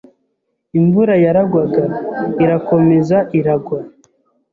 imvura yaragwaga, irakomeza iragwa,